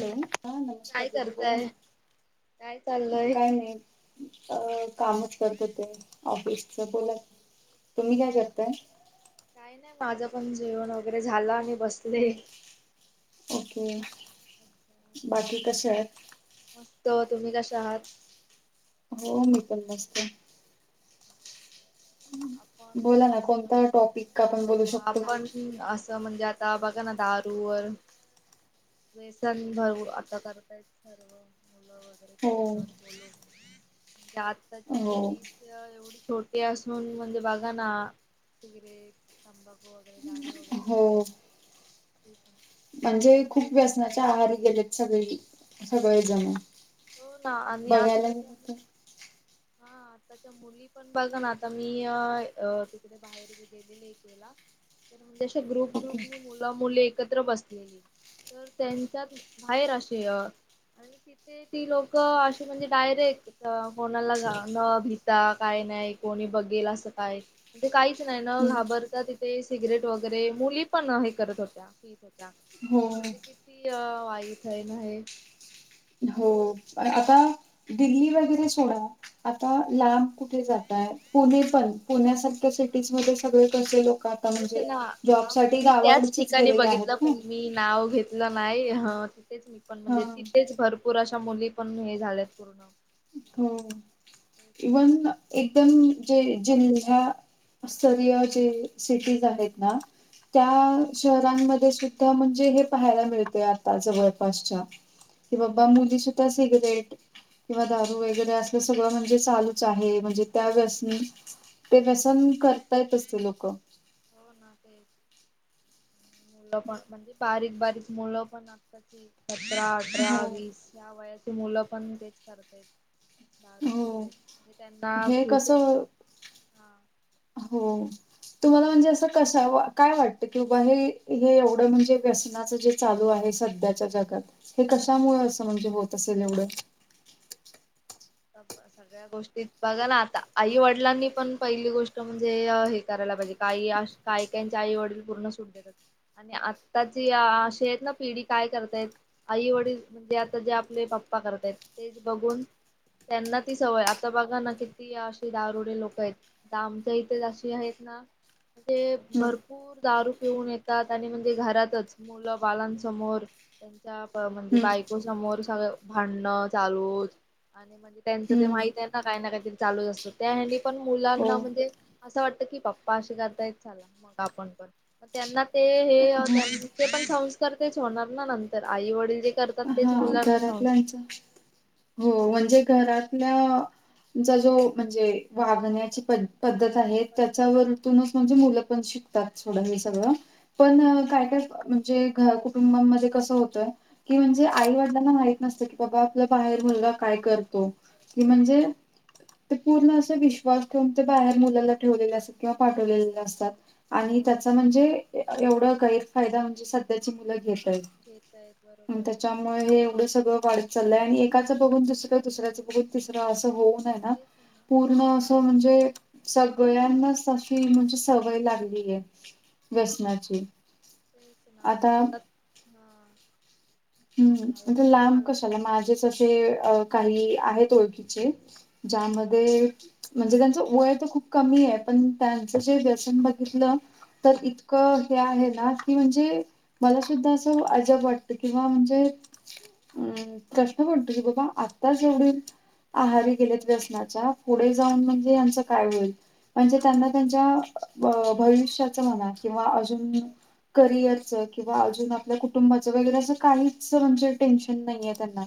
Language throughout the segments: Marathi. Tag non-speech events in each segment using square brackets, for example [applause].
हॅलो हा नमस्कार काय दिदी बोला करताय? काय ना चाललंय? काय नाही अ कामच करत ते ऑफिसच बोला तुम्ही काय करताय काही नाही माझं पण जेवण वगैरे झालं आणि बसले ओके बाकी कसे आहेत मस्त तुम्ही कशा आहात हो मी पण मस्त आपण बोला ना असं कोणता टॉपिक आपण अ बोलू शकतो आपण हम् असं म्हणजे आता बघा ना दारूवर व्यसन भरवू आता करतायेत सर्व मुलं हो वगैरे ण आताची हो पिढी एवढी छोटी असून म्हणजे बग ना सगरेट तंबाकू वगैरे ार वगैरे हो पक म्हणजे खूप व्यसनाच्या आहारी गेलेत सगळे सगळे तेच जम ना. हो ना आणि बघायला आताच्या गेलं मु तर हा आताच्या मुली पण बघा ना आता मी तिकडे बाहेर गेलेले णज ग्रुप ओके ग्रुप मुलं मुली एकत्र बसलेली तर त्यांच्यात बाहेर असे आणि तिथे ती लोक अशी म्हणजे डायरेक्ट कोणाला न भिता काय नाही कोणी बघेल असं काय. ते काहीच नाही ना हम्म. घाबरता तिथे सिगरेट वगैरे मुली पण हे करत होत्या. होत्या हो म्हणजे किती वाईट आहेन हे. हो आता. दिल्ली वगैरे सोडा. आता लांब कुठे जातय पुणे पण पुण्यासारख्या सिटीज मध्ये सगळे कसे लोक. तेच म्हणजे ना जॉब हा म्हणे साठी मी त्याच गावाकडचेच ठिकाणी गेलेले बघितलं आहेत ना पण मी नाव घेत ला नाही हा तिथेच मी पण हा म्हणजे तिथेच भरपूर अशा मुली पण हे झाल्यात. हो तेच ना इवन एकदम जे जिल्हा्या. स्तरीय जे सिटीज आहेत ना. हा त्या शहरांमध्ये सुद्धा म्हणजे हे पाहायला मिळते आता जवळपासच्या. कि बाबा मुली सुद्धा सिगरेट किंवा दा वगैरे अस सगळं म्हणजे चालूच आहे म्हणजे त्या वसनी. ते व्यसन करतात असले लोक. हो ना ते. मुलं पण म्हणजे बारीक बारीक मुलं पण आताची सतरा, हो अठरा, वीस या वयाची मुलं पण तेच करत आहेत. दारू हो. सिगरेट म्हणजे त्यांना हे फ्युचर कसं हा. हो. तुम्हाला म्हणजे असं कश काय वाटतं की बाहे हे एवढं म्हणजे व्यसनाचं जे, चालू आहे सध्याच्या जगात हे कशामुळे असं म्हणजे होत असेल एवढं. [inaudible] या गोष्टीत बघा ना आता आई वडिलांनी पण पहिली गोष्ट म्हणजे हे करायला पाहिजे काही काही-काहीच्या आई वडील पूर्ण सूट देतात आणि आत्ताची अशी आहेत ना पिढी काय करतायत. आई वडील म्हणजे आता जे आपले पप्पा करतायत तेच बघून त्यांना ती सवय आता बघा ना किती अशी दारुडे लोक आहेत. आता आमच्या इथे जाशी आहेत ना म्हणजे भरू हम्म भरपूर दारू पिऊन येतात आणि म्हणजे घरातच मुलं बालांसमोर, त्यांचा म्हणजे हम्म बायको समोर सगळं भांडणं चालू आणि म्हणजे, त्यांच ते हम्म माहित आहे. काही ना काहीतरी चालूच असतं त्या हनी पण हो. मुलांना म्हणजे असं वाटत की बाप्पा असे करता येत ला. मग आपण पण. त्यांना ते हे हो त्यां ते पण संस्कार तेच होणार ना नंतर आई वडील जे करतात. तेच ह मुलांवर संस्कार घरातल्यांच. हो म्हणजे घरातल्याचा जो म्हणजे वागण्याची पद् पद्धत हा आहे पद्धत त्याच्यावरूनच म्हणजे मुलं पण शिकतात थोडं हे सगळं. पण काय काय म्हणजे घर कुटुंबामध्ये कसं होतंय की म्हणजे आई ना माहित नसत की बाबा आपलं नसतं बाहेर हो मुलग काय करतो. करतंय म्हणजे ते पूर्ण अस विश्वास ठेऊन ते बाहेर मुलाला ठेवले वाट अस किंवा पाठवले असतात हो आणि त्याच म्हणजे एवढा गैरफायदा म्हणजे सध्याची मुलं घेतय, घेतायत बरोबर त्याच्या मग हे एवढं सगळं वाढत चाललंय आणि एकाचं बघून दुसरं, दुसऱ्याचं बघून तिसरं असं होऊनय ना तेच ना पूर्ण हा असं म्हणजे सगळ्यांनाच अशी म्हणजे सवय लागली आहे व्यसनाची. तेच ना आता मला मला हम्म लांब मला कशाला माझेचे अ काही आहेत ओळखीचे हा ज्यामध्ये म्हणजे त्यांचं वय तर खूप कमी आहे पण त्यांचं जे दर्शन बघितलं तर इतकं हे आहे ना की म्हणजे मला सुद्धा असं अजब वाटत किंवा म्हणजे अं प्रश्न पडतो की बाबा आता जेवढील आहारी हो गेलेत हो. व्यसनाच्या पुढे जाऊन म्हणजेच काय होईल म्हणजे त्यांना तेच त्यांच्या भविष्य म्हणा किंवा अजून करिअर किंवा अजून आपल्या कुटुंबाचं वगैरे अस काहीच म्हणजे टेन्शन नाही त्यांना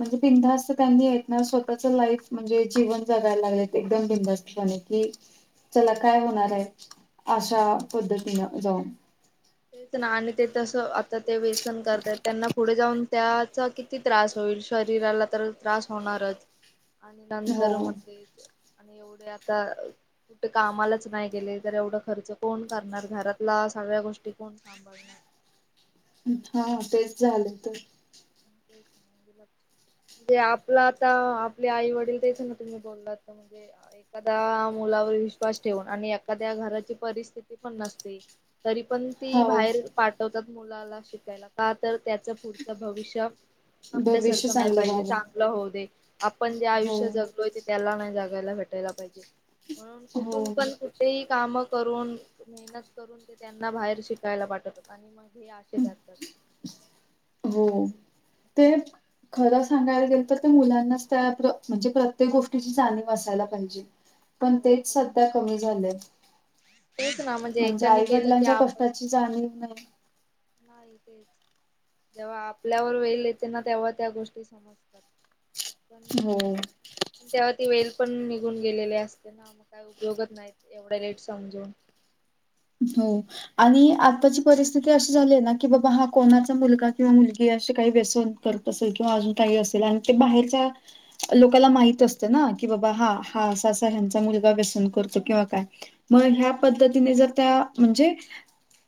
तेच त्यां स्वतःच लाईफ म्हणजे जीवन जगायला लागले एकदम बिंस्टणे कि चला काय होणार आहे अशा तेच पद्धतीन जाऊन तेच ना आणि ते तस आता ते व्यसन करतय त्यांना पुढे जाऊन त्याचा किती त्रास होईल शरीराला तर त्रास होणारच आणि नंतर हो. मध्ये आणि एवढे आता कुठे कामालाच नाही गेले तर एवढा खर्च कोण करणार घरातला सगळ्या गोष्टी कोण सांबळणार हा तेच झाले तर ते च म्हणजे आपला आता आपले आई वडील तेच ना तुम्ही बोललाता म्हणजे एखाद्या मुलावर विश्वास ठेवून आणि एखाद्या घराची परिस्थिती पण नसते तरी पण ती हो बाहेर पाठवतात मुलाला शिकला का तर त्याच पुढचं भविष्य भविष्य आपल्यासारखं नाही चांगलं पाहिजे व्हावं. चांगलं होऊ दे आपण जे हो आयुष्य जगलो होते त्याला नाही जगायला भेटायला पाहिजे. म्हणून हो कुठून पण ते ही काम करून मेहनत करून ते त्यांना बाहेर शिकायला पाठतात आणि मग हे आशेच करतात हो ते खरं सांगायला गेल तर ते मुलांनाच त्या म्हणजे प्रत्येक गोष्टीची जाणीव असयला पाहिजे. पण तेच संध्या कमी झालंय तेच ना म्हणजे एकानी केलं की आईवडिलांच्या आपण कष्टाची पण जा हो करायचं. नाही नाही तेच जेव्हा आपल्यावर वेल येते ना तेव्हा त्या गोष्टी समजतात. हो पण त्यात वेळी ती पण निघून गेलेले असते ना मग काय उपयोगच नाही एवढं लेट समजून हो आणि आत्ताची परिस्थिती अशी झाली आहे ना की बाबा हा कोणाचा मुलगा किंवा मुलगी असशी काही व्यसनं करत असेल किंवा अजून काही असेल आणि की बाहेरचा लोकाला माहित असतं ना की बाबा हा हा असा असा ह्यांचा मुलगा व्यसनं करतो किंवा काय म ह्या पद्धतीने जर त्या म्हणजे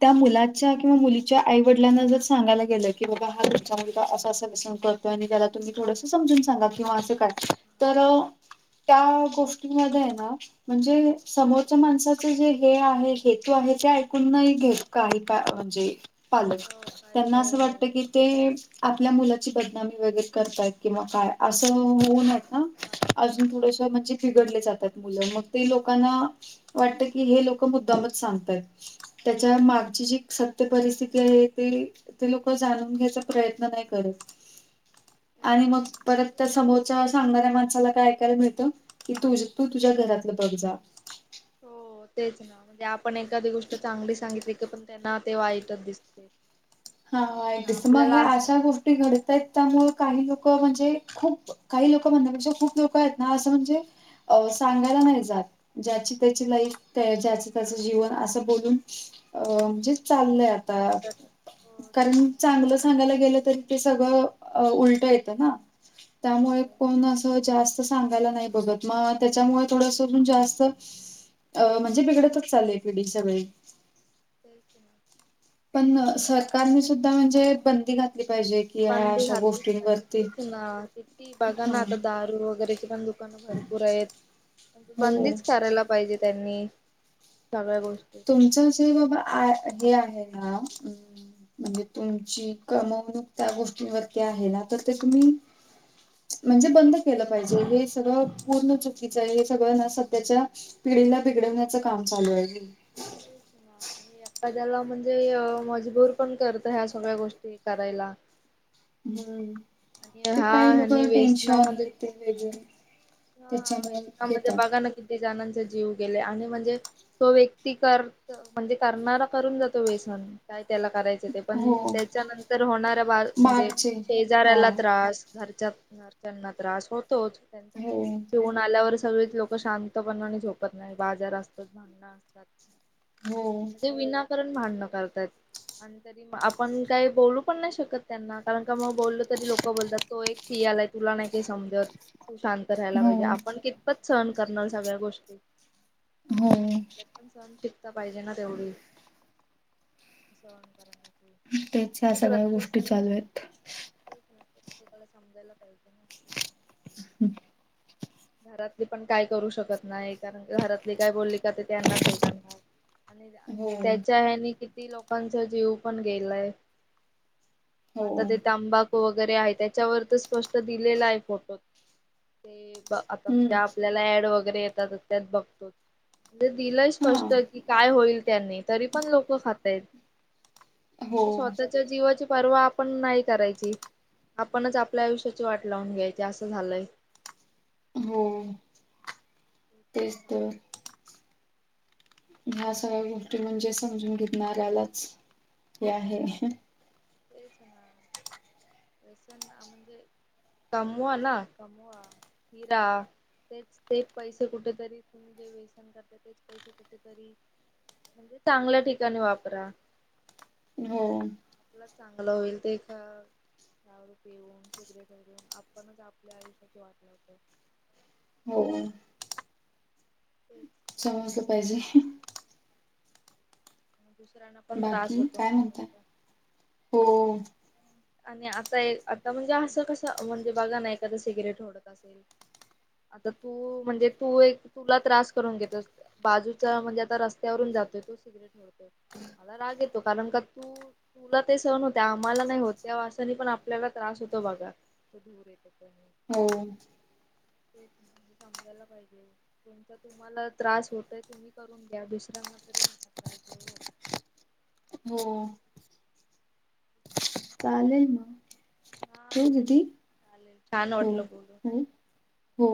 त्या मुलाच्या किंवा मुलीच्या आईवडिलांना जर सांगायला गेलं की बाबा हा तुमचा मुलगा असा असा व्यसनं करतोय त्याला तुम्ही थोडसं समजून सांगा किंवा असं काय तर त्या गोष्टीमध्येय ना म्हणजे समोरच्या माणसाचं जे हे आहे हे तो आहे ते ऐकून नाही घेत काही म्हणजे पालक हो काही त्यांना हो असं हो वाटतं की ते आपल्या मुलाची बदनामी वगैरे करतायत किंवा काय असं होऊ नये हं वाटत अजून हा थोडसं म्हणजे घडले जातात मुलं ते लोकांना वाटतं की हे लोक मुद्दामच सांगतायत हो त्यांच्या मागची जी परिस्थिती आहे ते ते लोक जाणून घ्यायचा प्रयत्न नाही करत तेच ना आणि मग परत म्हणजे तर समोरचा अस सांगणाऱ्या माणसाला काय ऐकायला मिळतं की तुझ तू तुझ्या घरातलं बघ जा हो तेच ना म्हणजे आपण एखादी गोष्ट चांगली सांगितली का पण त्यांना ते वाईटच दिसतं हम हा मग हे अशा गोष्टी घडतयत त्यामुळं काही लोक म्हणजे खूप काही लोक म्हणण्यापेक्षा खूप लोक आहेत ना असं म्हणजे अ सांगायला नाही जात ज्याची त्याची लाईफ ज्याच त्याच जीवन असं बोलून अ म्हणजे वाटतं चाललंय आता शांत हो तेच कारण ना चांगलं सांगायला गेलं तरी ते सगळं उलट येतं ना त्यामुळे हो कोण असं जास्त सांगायला नाही बघत मग त्याच्यामुळे थोडस जास्त अ म्हणजे बिघडतच चालय पिढीच्या वेळी होय की मग पण सरकारने सुद्धा म्हणजे बंदी घातली पाहिजे कि ह्या बंदी अशा घातलीच पाहिजे गोष्टींवरती तेच ना किती बघा हा ना आता दारू वगैरेची पण दु दुकान भरपूर आहेत हो बंदीच करायला पाहिजे त्यांनी सगळ्या गोष्टी तुमचं असं आहे बाबा हे आहे ना म्हणजे तुमची कमवणूक त्या गोष्टींवरती आहे ना तर ते तुम्ही म्हणजे बंद केलं पाहिजे हे सगळं पूर्ण चुकीचं आहे सगळ्याना सध्याच्या पिढीला बिघडवण्याच काम चालू आहे ह अ एखाद्याला म्हणजे मजबूर पण करत ह्या सगळ्या गोष्टी करायला हम्म आणि ते हा काही ह्यानी लोकांना टेन्शन व्यसनामध्ये आहे ते वेगळं त्याच्यामुळे घेतात तेच्यानंतचेर जीव गेले आणि म्हणजे तो व्यक्ती करत म्हणजे करणारा करून जातो व्यसन काय त्याला करायचं ते पण हो त्याच्यानंतर होणार्या बा म्हणजे मार्चे ऱ हा त्रास घर घरच्या त्रास होतो त्यां हो का आल्यावर सगळीच लोक शांतपणा आणि झोपत नाही बाजार असतात भांड असतात हो त विना तरी आपण काही बोलू पण नाही शकत त्यांना कारण का मग ब लोक बोलतात तो एक फिआलाय तुला नाही का समजत तू शांत राहायला हो पाहिजे आपण क पत सहन करणार सग्या कष्ट ते हो पण सण टिकता पाहिजे ना तेवढी सण करण त्याच सगळ्या गोष्टी चालू आहेत तेच प्रत्येकाला समजायला पाहिजे ना हम् घरातली पण काय करू शकत नाही कारण घरातली काय बोलली का ते त्यांनाच हे करणार आणि हो त्याच्या ह्यानी किती लोकांचा जीव पण गेलाय हो आता ते तांबा वगैरे आहे त्याच्यावर तर स्पष्ट दिलेला आहे फोटो ते आता म्हणजे हम्म आपल्याला ऍड वगैरे येतातच त्यात बघतो म्हणजे दिलंय हा स्पष्ट की काय होईल त्याने तरी पण लोक खातयत हो म्हणजे स्वतःच्या जीवाची पर्वा आपण नाही करायची आपणच आपल्या आयुष्याची वाट लावून घ्यायची असं झालंय हो तेच तर ह्या सगळ्या गोष्टी म्हणजे समजून घेतणाऱ्यालाच हे आहे तेच ना वसन म्हणजे कमवा ना कमवा हिरा तेच ते पैसे कुठेतरी तुम्ही जे व्यसन करता तेच पैसे कुरी म्हणजे चांगल्या ठिकाणी वापरा हो चांगला होईल ते कावर प येऊन शग आपणच आपल्या आयुष्यात वाटलं होत हो [inaudible] समजलं पाहिजे दुसरा बाकी काय म्हणतय हो आणि आता एक आता म्हणजे असं कसं म्हणजे बघा ना एखादां सिगरेट ओडत असेल आता तू म्हणजे तू एक तुला त्रास करून घेत असते बाजूचा म्हणजे आता रस्तवरून जातोय तो सिगरेट होतोय मला राग येतो कारण का तू तुला ते सण होते आम्हाला नाही होते त्या वासानी पण आपल्याला त्रास होतो बघा तो दूर येतो होम तेच समजायला पाहिजे कोमचा तुम्हाला त्रास होतय तुम्ही करून घ्या दुसऱ्यांना तरी नका त्रास देऊ हो चालेल मग हा ठेवू ठीक दीदी चालेल छान हो वाटलं बूल हो हो.